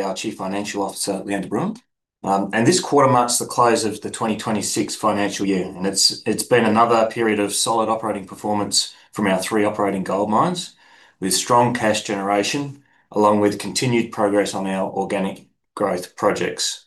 Our Chief Financial Officer, Lee-Anne de Bruin. This quarter marks the close of the 2026 financial year. It's been another period of solid operating performance from our three operating gold mines with strong cash generation, along with continued progress on our organic growth projects.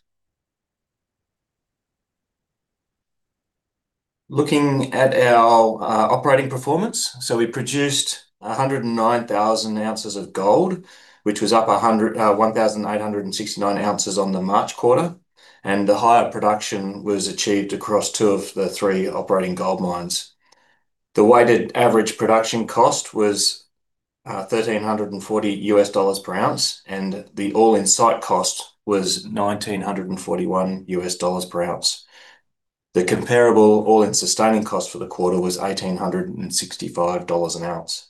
Looking at our operating performance. We produced 109,000 oz of gold, which was up 1,869 oz on the March quarter. The higher production was achieved across two of the three operating gold mines. The weighted average production cost was $1,340/oz, and the All-in Site Cost was $1,941/oz. The comparable All-in Sustaining Cost for the quarter was $1,848/oz.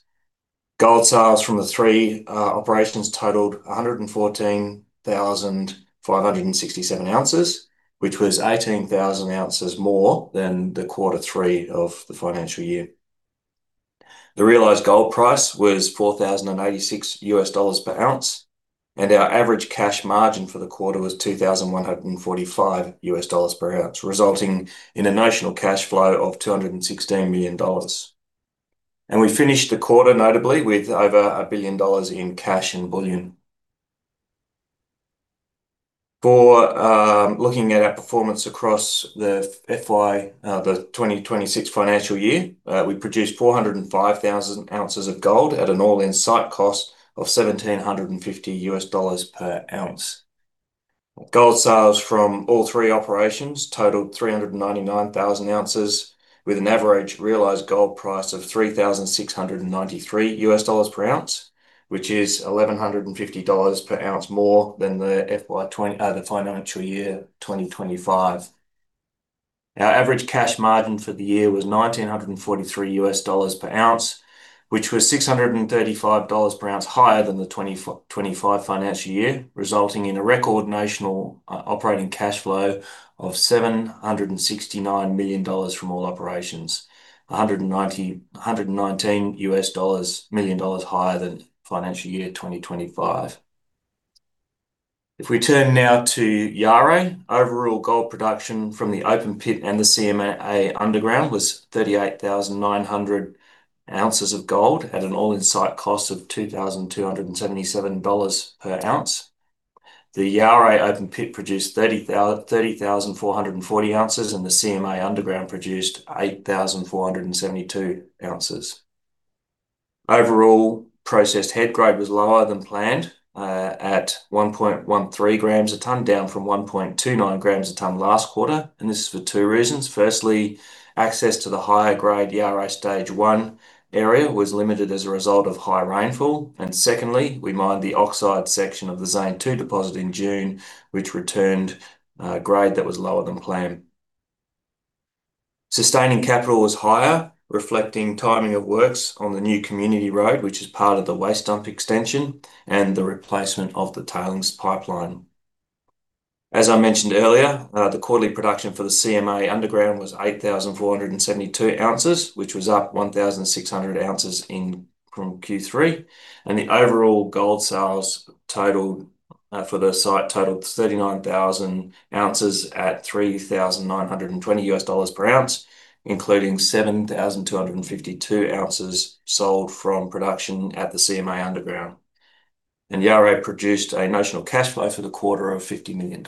Gold sales from the three operations totaled 114,567 oz, which was 18,000 oz more than the quarter three of the financial year. The realized gold price was $4,086/oz, and our average cash margin for the quarter was $2,145/oz, resulting in a notional cash flow of $216 million. We finished the quarter notably with over $1 billion in cash and bullion. Looking at our performance across the 2026 financial year, we produced 405,000 oz of gold at an All-in Site Cost of $1,750/oz. Gold sales from all three operations totaled 399,000 oz with an average realized gold price of $3,693/oz, which is $1,150/oz more than the financial year 2025. Our average cash margin for the year was $1,943/oz, which was $635/oz higher than the 2025 financial year, resulting in a record notional operating cash flow of $769 million from all operations, $119 million higher than financial year 2025. If we turn now to Yaouré, overall gold production from the open pit and the CMA Underground was 38,900 oz of gold at an All-in Site Cost of $2,277/oz. The Yaouré open pit produced 30,440 oz, and the CMA Underground produced 8,472 oz. Overall, processed head grade was lower than planned, at 1.13 g/ton, down from 1.29 g/ton last quarter. This is for two reasons. Firstly, access to the higher grade Yaouré Stage 1 area was limited as a result of high rainfall. Secondly, we mined the oxide section of the Zone 2 deposit in June, which returned a grade that was lower than planned. Sustaining capital was higher, reflecting timing of works on the new community road, which is part of the waste dump extension and the replacement of the tailings pipeline. As I mentioned earlier, the quarterly production for the CMA Underground was 8,472 oz, which was up 1,600 oz from Q3. The overall gold sales for the site totaled 39,000 oz at $3,920/oz, including 7,252 oz sold from production at the CMA Underground. Yaouré produced a notional cash flow for the quarter of $50 million.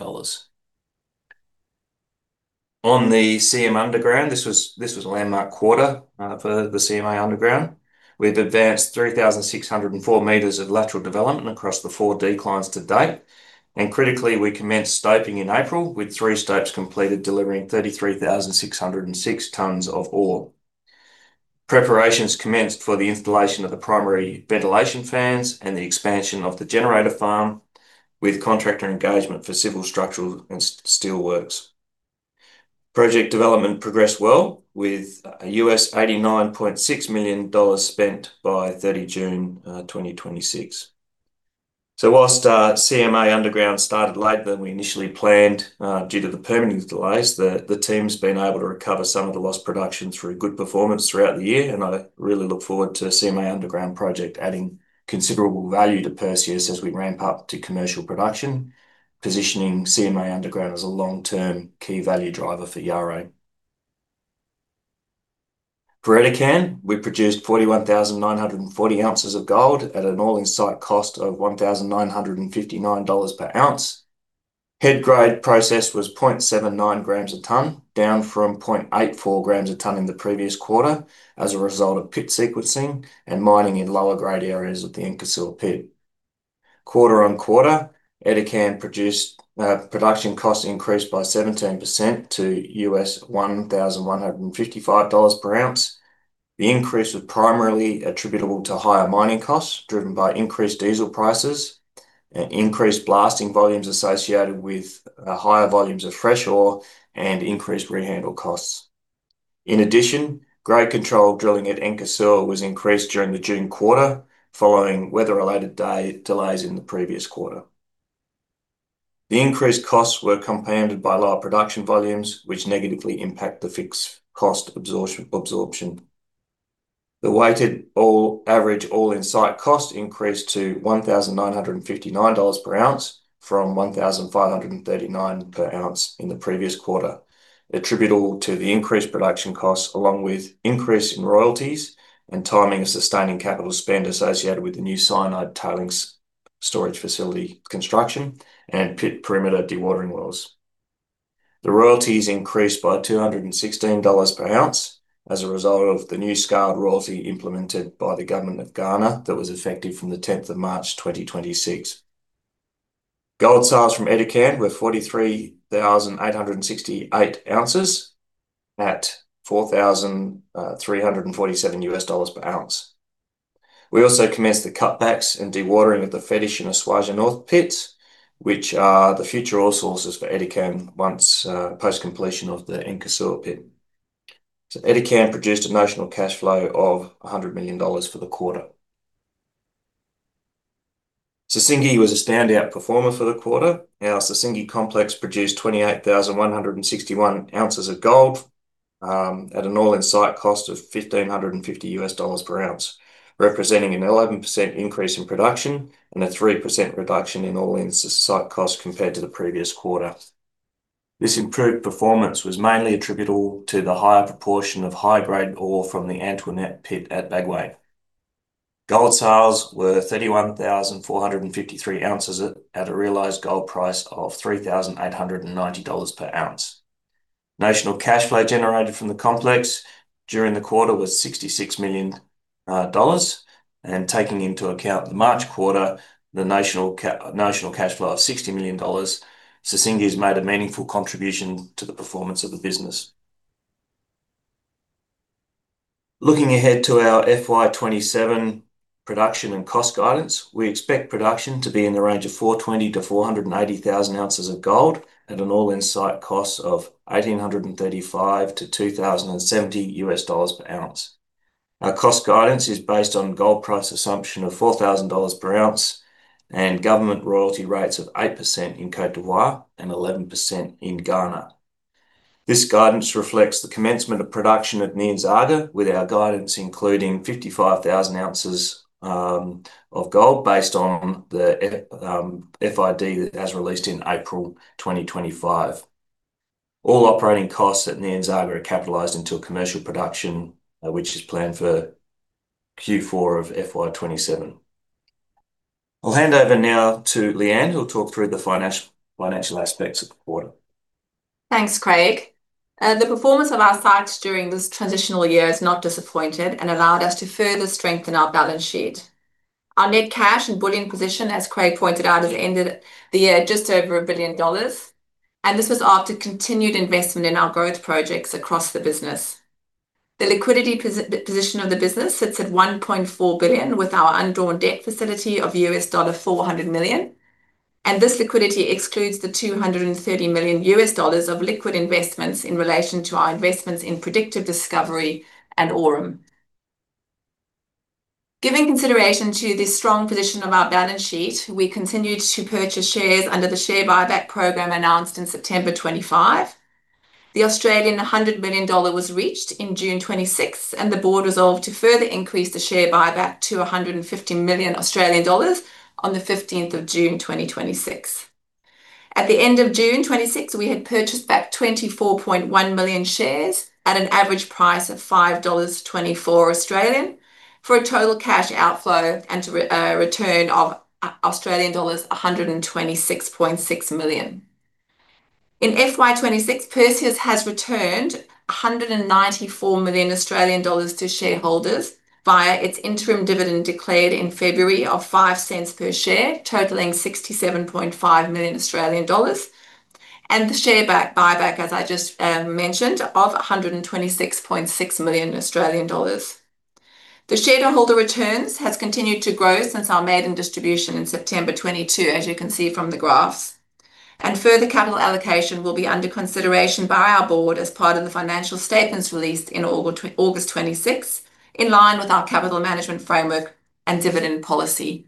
On the CMA Underground, this was a landmark quarter for the CMA Underground. We've advanced 3,604 m of lateral development across the four declines to date. Critically, we commenced stoping in April with three stopes completed, delivering 33,606 tons of ore. Preparations commenced for the installation of the primary ventilation fans and the expansion of the generator farm with contractor engagement for civil, structural, and steel works. Project development progressed well with $89.6 million spent by 30 June 2026. Whilst CMA Underground started later than we initially planned due to the permitting delays, the team's been able to recover some of the lost production through good performance throughout the year. I really look forward to CMA Underground project adding considerable value to Perseus as we ramp up to commercial production, positioning CMA Underground as a long-term key value driver for Yaouré. For Edikan, we produced 41,940 oz of gold at an All-in Site Cost of $1,959/oz. Head grade process was 0.79 g/ton, down from 0.84 g/ton in the previous quarter as a result of pit sequencing and mining in lower grade areas of the Nkosuo pit. Quarter-on-quarter, Edikan production cost increased by 17% to $1,155/oz. The increase was primarily attributable to higher mining costs driven by increased diesel prices, increased blasting volumes associated with higher volumes of fresh ore, and increased rehandle costs. In addition, grade control drilling at Nkosuo was increased during the June quarter, following weather-related delays in the previous quarter. The increased costs were compounded by lower production volumes, which negatively impact the fixed cost absorption. The weighted average All-in Site Cost increased to $1,959/oz from $1,539/oz in the previous quarter, attributable to the increased production costs, along with increase in royalties and timing of sustaining capital spend associated with the new cyanide tailings storage facility construction and pit perimeter dewatering wells. The royalties increased by $216/oz as a result of the new scaled royalty implemented by the government of Ghana that was effective from the 10th of March 2026. Gold sales from Edikan were 43,868 oz at $4,347/oz. We also commenced the cutbacks and dewatering of the Fetish and Esuajah North pits, which are the future ore sources for Edikan once post-completion of the Nkosuo pit. Edikan produced a notional cash flow of $100 million for the quarter. Sissingué was a standout performer for the quarter. Our Sissingué complex produced 28,161 oz of gold at an All-in Site Cost of $1,550/oz, representing an 11% increase in production and a 3% reduction in All-in Site Cost compared to the previous quarter. This improved performance was mainly attributable to the higher proportion of high-grade ore from the Antoinette pit at Bagoé. Gold sales were 31,453 oz at a realized gold price of $3,890/oz. Notional cash flow generated from the complex during the quarter was $66 million. Taking into account the March quarter, the notional cash flow of $60 million, Sissingué has made a meaningful contribution to the performance of the business. Looking ahead to our FY 2027 production and cost guidance, we expect production to be in the range of 420,000-480,000 oz of gold at an All-in Site Cost of $1,835/oz-$2,070/oz. Our cost guidance is based on gold price assumption of $4,000/oz and government royalty rates of 8% in Côte d'Ivoire and 11% in Ghana. This guidance reflects the commencement of production at Nyanzaga with our guidance, including 55,000 oz of gold based on the FID that it has released in April 2025. All operating costs at Nyanzaga are capitalized into commercial production, which is planned for Q4 of FY 2027. I'll hand over now to Lee-Anne, who'll talk through the financial aspects of the quarter. Thanks, Craig. The performance of our sites during this transitional year has not disappointed and allowed us to further strengthen our balance sheet. Our net cash and bullion position, as Craig pointed out, has ended the year just over $1 billion. This was after continued investment in our growth projects across the business. The liquidity position of the business sits at $1.4 billion, with our undrawn debt facility of $400 million. This liquidity excludes the $230 million of liquid investments in relation to our investments in Predictive Discovery and Aurum. Giving consideration to this strong position of our balance sheet, we continued to purchase shares under the share buyback program announced in September 2025. The 100 million Australian dollars was reached in June 2026. The board resolved to further increase the share buyback to 150 million Australian dollars on the 15th of June 2026. At the end of June 2026, we had purchased back 24.1 million shares at an average price of AUD 5.24, for a total cash outflow and to a return of Australian dollars 126.6 million. In FY 2026, Perseus has returned 194 million Australian dollars to shareholders via its interim dividend declared in February of 0.05 per share, totaling 67.5 million Australian dollars and the share buyback, as I just mentioned, of 126.6 million Australian dollars. The shareholder returns has continued to grow since our maiden distribution in September 2022, as you can see from the graphs. Further capital allocation will be under consideration by our board as part of the financial statements released in August 2026, in line with our capital management framework and dividend policy.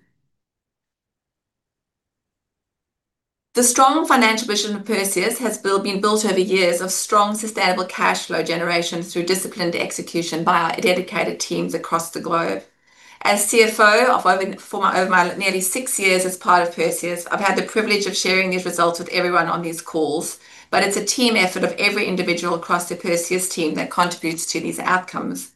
The strong financial position of Perseus has been built over years of strong sustainable cash flow generations through disciplined execution by our dedicated teams across the globe. As CFO for over my nearly six years as part of Perseus, I've had the privilege of sharing these results with everyone on these calls. It's a team effort of every individual across the Perseus team that contributes to these outcomes.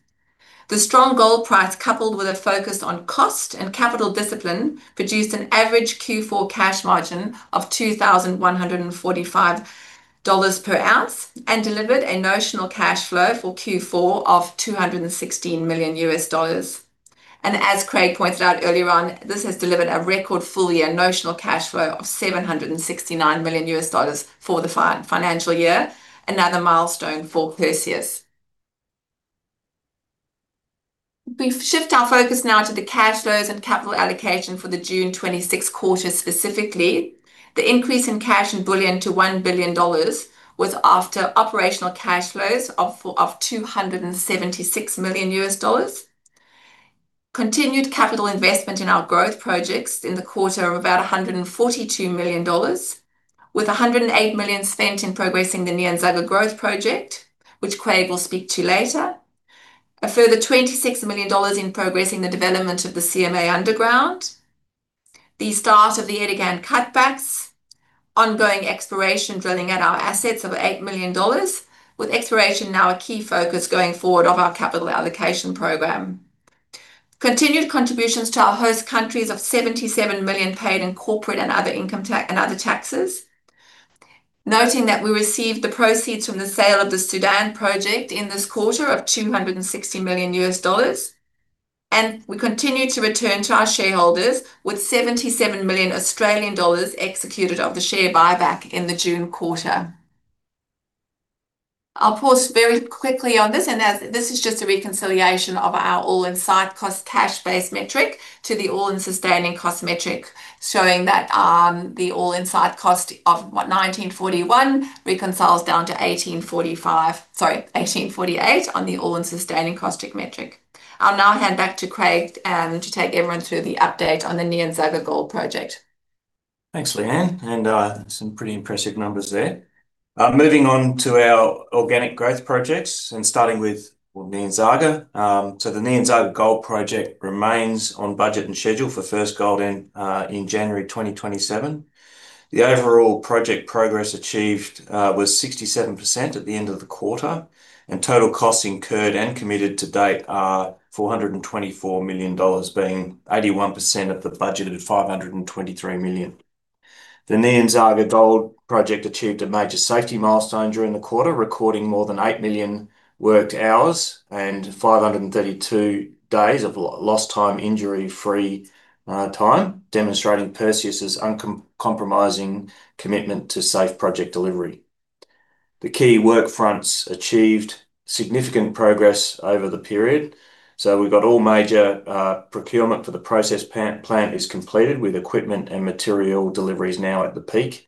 The strong gold price, coupled with a focus on cost and capital discipline, produced an average Q4 cash margin of $2,145/oz and delivered a notional cash flow for Q4 of $216 million. As Craig pointed out earlier on, this has delivered a record full-year notional cash flow of $769 million for the financial year, another milestone for Perseus. We shift our focus now to the cash flows and capital allocation for the June 2026 quarter, specifically. The increase in cash and bullion to $1 billion was after operational cash flows of $276 million. Continued capital investment in our growth projects in the quarter of about $142 million, with $108 million spent in progressing the Nyanzaga growth project, which Craig will speak to later. A further $26 million in progressing the development of the CMA Underground. The start of the Edikan cutbacks. Ongoing exploration, drilling at our assets of $8 million, with exploration now a key focus going forward of our capital allocation program. Continued contributions to our host countries of $77 million paid in corporate and other taxes. Noting that we received the proceeds from the sale of the Sudan project in this quarter of $260 million. We continue to return to our shareholders, with 77 million Australian dollars executed of the share buyback in the June quarter. I'll pause very quickly on this, this is just a reconciliation of our All-in Site Cost cash base metric to the All-in Sustaining Cost metric, showing that the All-in Site Cost of $1,941/oz reconciles down to $1,848/oz on the All-in Sustaining Cost metric. I'll now hand back to Craig, to take everyone through the update on the Nyanzaga Gold Project. Thanks, Lee-Anne, some pretty impressive numbers there. Moving on to our organic growth projects starting with Nyanzaga. The Nyanzaga Gold Project remains on budget and schedule for first gold in January 2027. The overall project progress achieved was 67% at the end of the quarter, total costs incurred and committed to date are $424 million, being 81% of the budgeted $523 million. The Nyanzaga Gold Project achieved a major safety milestone during the quarter, recording more than 8 million worked hours and 532 days of lost-time injury-free time, demonstrating Perseus' uncompromising commitment to safe project delivery. The key work fronts achieved significant progress over the period. We've got all major procurement for the process plant completed, with equipment and material deliveries now at the peak.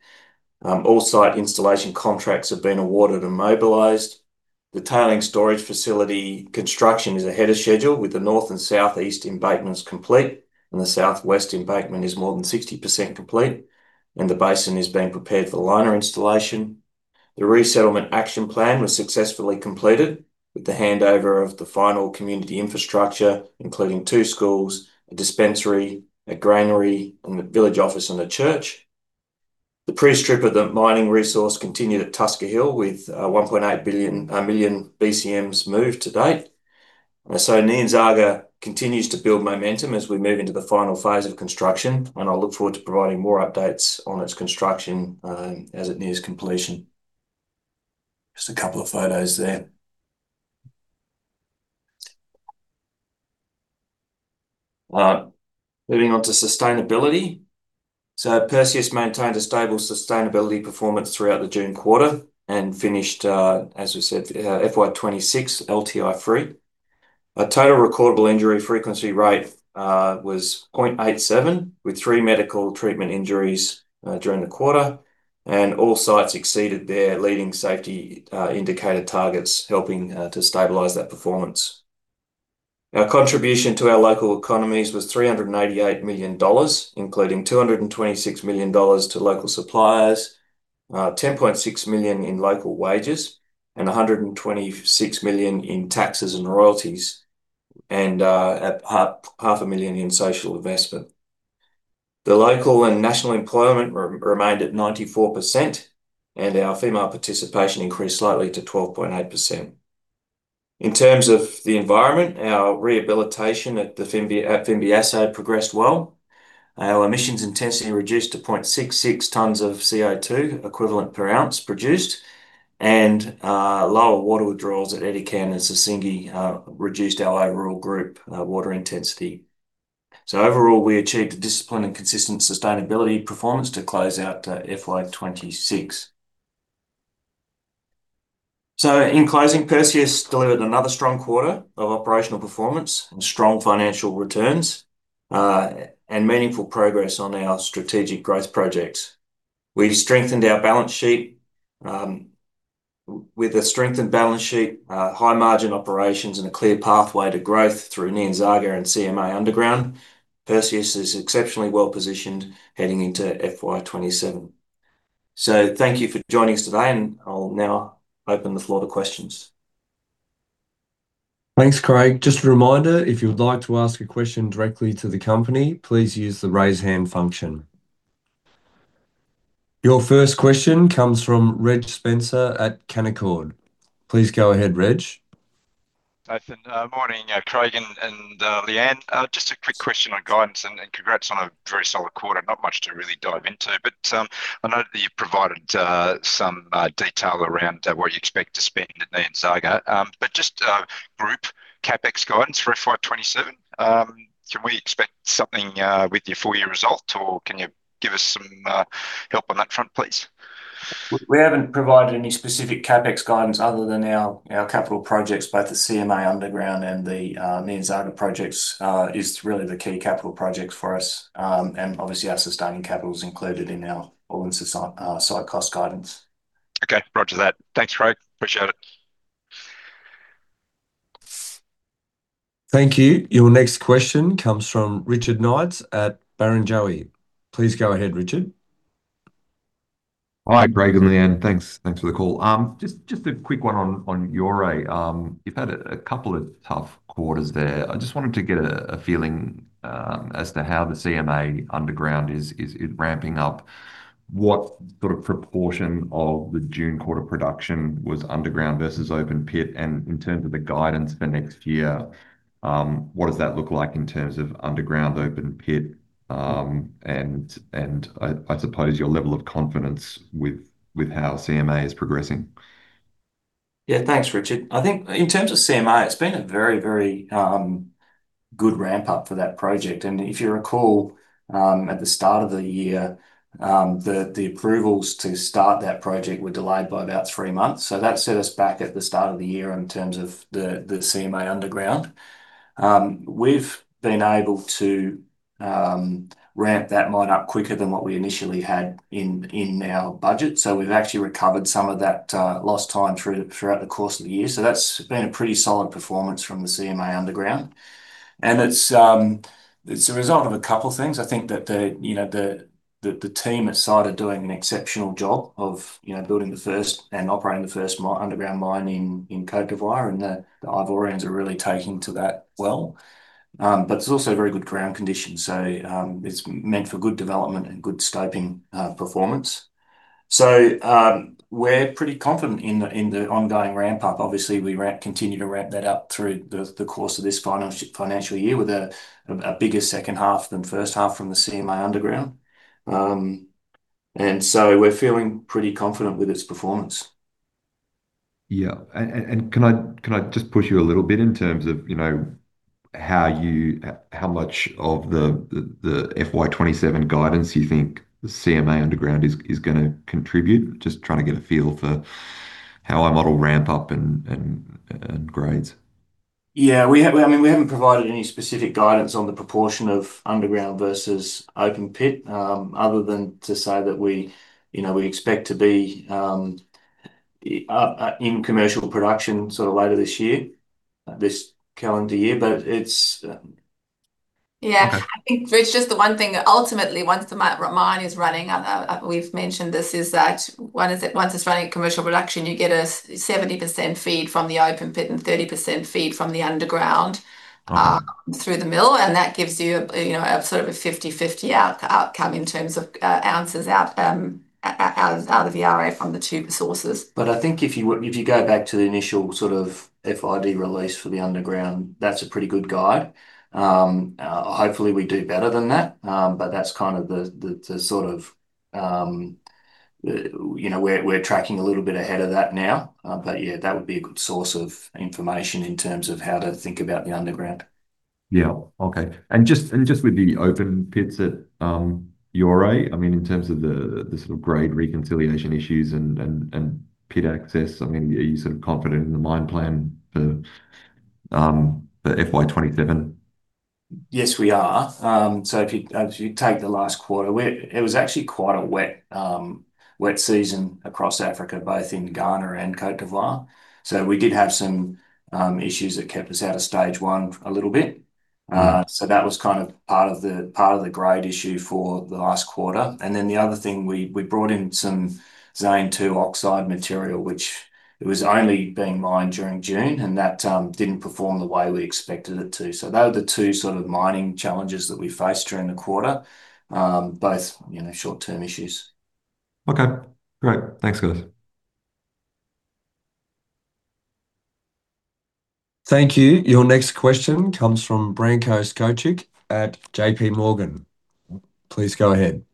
All site installation contracts have been awarded and mobilized. The tailings storage facility construction is ahead of schedule, with the north and southeast embankments complete, the southwest embankment is more than 60% complete, the basin is being prepared for the liner installation. The resettlement action plan was successfully completed with the handover of the final community infrastructure, including two schools, a dispensary, a granary, a village office, and a church. The pre-strip of the mining resource continued at Tusker Hill, with 1.8 million BCMs moved to date. Nyanzaga continues to build momentum as we move into the final phase of construction. I look forward to providing more updates on its construction, as it nears completion. Just a couple of photos there. Moving on to sustainability. Perseus maintained a stable sustainability performance throughout the June quarter finished, as we said, FY 2026 LTI free. Our Total Recordable Injury Frequency Rate was 0.87, with three medical treatment injuries during the quarter. All sites exceeded their leading safety indicator targets, helping to stabilize that performance. Our contribution to our local economies was $388 million, including $226 million to local suppliers, $10.6 million in local wages, $126 million in taxes and royalties, $500,000 in social investment. The local and national employment remained at 94%, our female participation increased slightly to 12.8%. In terms of the environment, our rehabilitation at Fimbiasso progressed well. Our emissions intensity reduced to 0.66 tons of CO2 equivalent per ounce produced. Lower water withdrawals at Edikan and Sissingué reduced our overall group water intensity. Overall, we achieved a disciplined and consistent sustainability performance to close out FY 2026. In closing, Perseus delivered another strong quarter of operational performance and strong financial returns, and meaningful progress on our strategic growth projects. We strengthened our balance sheet. With a strengthened balance sheet, high cash margin operations, and a clear pathway to growth through Nyanzaga and CMA Underground, Perseus is exceptionally well positioned heading into FY 2027. Thank you for joining us today, and I'll now open the floor to questions. Thanks, Craig. Just a reminder, if you would like to ask a question directly to the company, please use the raise hand function. Your first question comes from Reg Spencer at Canaccord. Please go ahead, Reg. Nathan, morning, Craig and Lee-Anne. Just a quick question on guidance, and congrats on a very solid quarter. Not much to really dive into, but I know that you provided some detail around what you expect to spend at Nyanzaga. Just group CapEx guidance for FY 2027. Can we expect something with your full-year result, or can you give us some help on that front, please? We haven't provided any specific CapEx guidance other than our capital projects, both the CMA Underground and the Nyanzaga projects is really the key capital projects for us. Obviously, our sustaining capital is included in our All-in Site Cost guidance. Roger that. Thanks, Craig. Appreciate it. Thank you. Your next question comes from Richard Knights at Barrenjoey. Please go ahead, Richard. Hi, Craig and Lee-Anne. Thanks for the call. Just a quick one on Yaouré. You've had a couple of tough quarters there. I just wanted to get a feeling as to how the CMA Underground is ramping up. What proportion of the June quarter production was underground versus open pit? In terms of the guidance for next year, what does that look like in terms of underground open pit? I suppose your level of confidence with how CMA is progressing. Thanks, Richard. I think in terms of CMA, it's been a very good ramp-up for that project. If you recall, at the start of the year, the approvals to start that project were delayed by about three months. That set us back at the start of the year in terms of the CMA Underground. We've been able to ramp that mine up quicker than what we initially had in our budget. We've actually recovered some of that lost time throughout the course of the year. That's been a pretty solid performance from the CMA Underground. It's a result of a couple of things. I think that the team at site are doing an exceptional job of building the first and operating the first underground mine in Côte d'Ivoire, and the Ivorians are really taking to that well. There's also very good ground conditions. It's meant for good development and good scoping performance. We're pretty confident in the ongoing ramp-up. Obviously, we continue to ramp that up through the course of this financial year with a bigger second half than first half from the CMA Underground. We're feeling pretty confident with its performance. Can I just push you a little bit in terms of how much of the FY 2027 guidance you think the CMA Underground is going to contribute? Just trying to get a feel for how I model ramp up and grades. We haven't provided any specific guidance on the proportion of underground versus open pit, other than to say that we expect to be in commercial production later this year, this calendar year. I think, Rich, just the one thing that ultimately once the mine is running, we've mentioned this, at commercial production, you get a 70% feed from the open pit and 30% feed from the underground through the mill, that gives you a 50/50 outcome in terms of ounces out of the ROM from the two sources. I think if you go back to the initial FID release for the underground, that is a pretty good guide. Hopefully, we do better than that. We are tracking a little bit ahead of that now. That would be a good source of information in terms of how to think about the underground. Just with the open pits at Yaouré, in terms of the sort of grade reconciliation issues and pit access, are you sort of confident in the mine plan for FY 2027? Yes, we are. If you take the last quarter, it was actually quite a wet season across Africa, both in Ghana and Côte d'Ivoire. We did have some issues that kept us out of Stage 1 a little bit. That was kind of part of the grade issue for the last quarter. The other thing, we brought in some Zone 2 oxide material, which it was only being mined during June, and that didn't perform the way we expected it to. They were the two sort of mining challenges that we faced during the quarter. Both short-term issues. Great. Thanks, guys. Thank you. Your next question comes from Branko Skocic at JPMorgan. Please go ahead.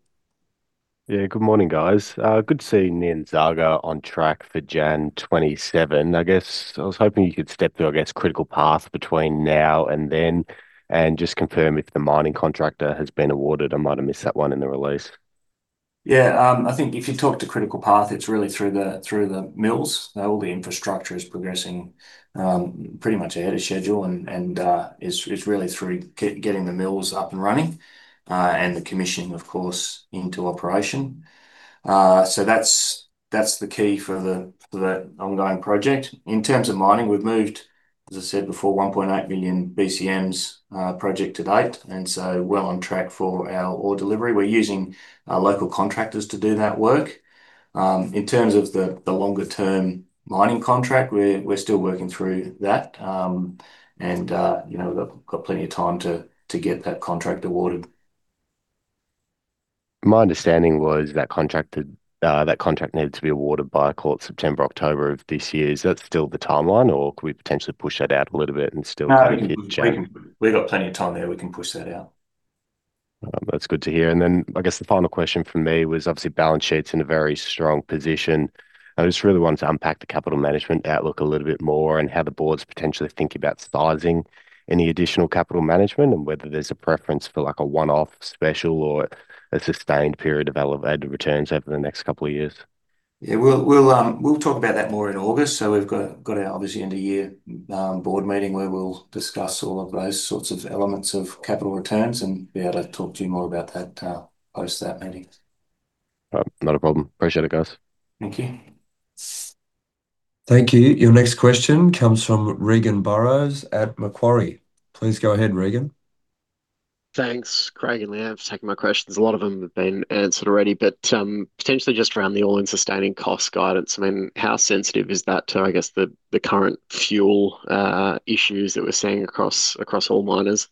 Good morning, guys. Good to see Nyanzaga on track for January 2027. I guess I was hoping you could step through, I guess, critical path between now and then and just confirm if the mining contractor has been awarded. I might have missed that one in the release. I think if you talk to critical path, it's really through the mills. All the infrastructure is progressing pretty much ahead of schedule, and it's really through getting the mills up and running. The commissioning, of course, into operation. That's the key for the ongoing project. In terms of mining, we've moved, as I said before, 1.8 million BCMs project to date, well on track for our ore delivery. We're using local contractors to do that work. In terms of the longer term mining contract, we're still working through that. We've got plenty of time to get that contract awarded. My understanding was that contract needed to be awarded by September, October of this year. Is that still the timeline, or could we potentially push that out a little bit and still get it done? We've got plenty of time there. We can push that out. That's good to hear. I guess the final question from me was obviously balance sheet's in a very strong position. I just really wanted to unpack the capital management outlook a little bit more and how the board's potentially thinking about sizing. Any additional capital management and whether there's a preference for like a one-off special or a sustained period of elevated returns over the next couple of years. We'll talk about that more in August. We've got our, obviously, end-of-year board meeting where we'll discuss all of those sorts of elements of capital returns and be able to talk to you more about that post that meeting. Not a problem. Appreciate it, guys. Thank you. Thank you. Your next question comes from Regan Burrows at Macquarie. Please go ahead, Regan. Thanks, Craig and Lee-Anne, for taking my questions. A lot of them have been answered already. Potentially just around the All-in Sustaining Cost guidance. How sensitive is that to, I guess, the current fuel issues that we're seeing across all miners?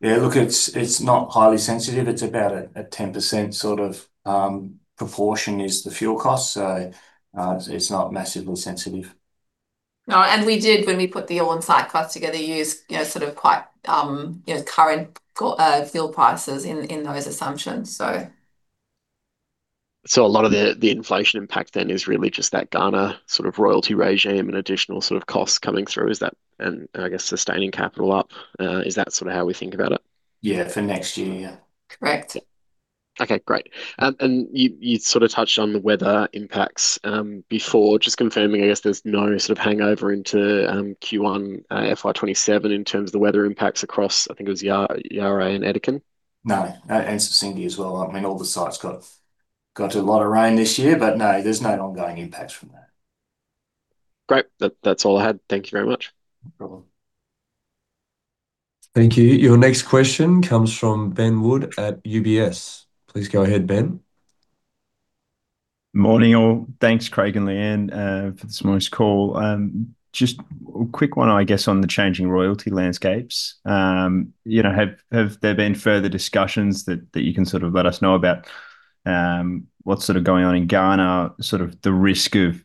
Look, it's not highly sensitive. It's about a 10% sort of proportion is the fuel cost. It's not massively sensitive. We did, when we put the All-in Site Cost together, use sort of quite current fuel prices in those assumptions. A lot of the inflation impact then is really just that Ghana sort of royalty regime and additional sort of costs coming through, and I guess sustaining capital up. Is that sort of how we think about it? Yeah, for next year. Correct. Great. You sort of touched on the weather impacts, before just confirming, I guess there's no sort of hangover into Q1 FY 2027 in terms of the weather impacts across, I think it was Yaouré and Edikan? No. Sissingué as well. All the sites got a lot of rain this year. No, there's no ongoing impacts from that. Great. That's all I had. Thank you very much. No problem. Thank you. Your next question comes from Ben Wood at UBS. Please go ahead, Ben. Morning, all. Thanks, Craig and Lee-Anne, for this morning's call. Just a quick one, I guess, on the changing royalty landscapes. Have there been further discussions that you can sort of let us know about? What's sort of going on in Ghana? Sort of the risk of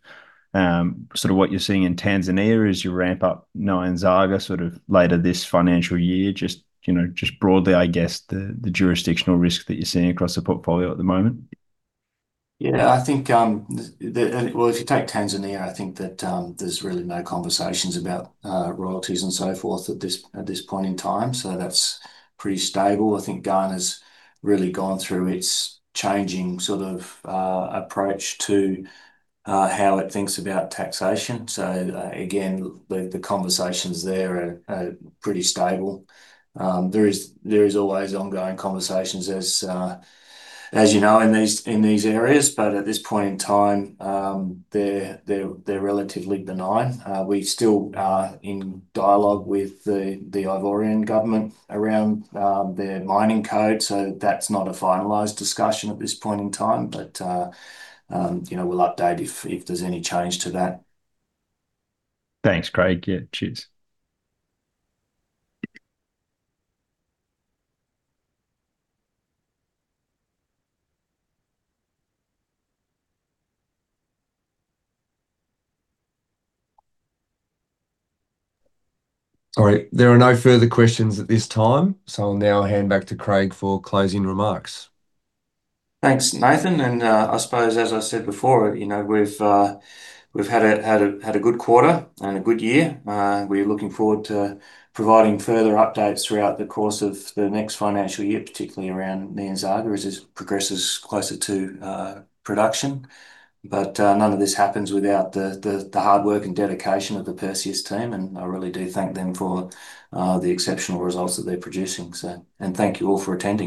sort of what you're seeing in Tanzania as you ramp up Nyanzaga sort of later this financial year, just broadly, I guess the jurisdictional risk that you're seeing across the portfolio at the moment. If you take Tanzania, I think that there's really no conversations about royalties and so forth at this point in time. That's pretty stable. I think Ghana's really gone through its changing sort of approach to how it thinks about taxation. Again, the conversations there are pretty stable. There is always ongoing conversations, as you know, in these areas. At this point in time, they're relatively benign. We still are in dialogue with the Ivorian government around their Mining Code. That's not a finalized discussion at this point in time. We'll update if there's any change to that. Thanks, Craig. Cheers. There are no further questions at this time. I'll now hand back to Craig for closing remarks. Thanks, Nathan. I suppose as I said before, we've had a good quarter and a good year. We're looking forward to providing further updates throughout the course of the next financial year, particularly around Nyanzaga as it progresses closer to production. None of this happens without the hard work and dedication of the Perseus team, and I really do thank them for the exceptional results that they're producing. Thank you all for attending.